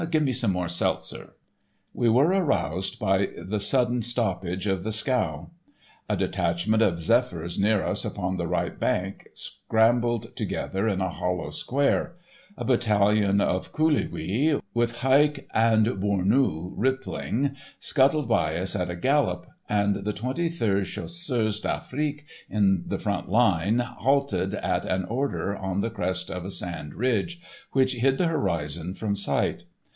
Give me some more seltzer." We were aroused by the sudden stoppage of the scow. A detachment of "Zephyrs," near us upon the right bank, scrambled together in a hollow square. A battalion of Coulouglis, with haik and bournous rippling, scuttled by us at a gallop, and the Twenty Third Chasseurs d'Afrique in the front line halted at an "order" on the crest of a sand ridge, which hid the horizon from sight.